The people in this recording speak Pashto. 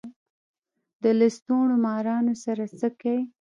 د لستوڼو مارانو سره څه کئ.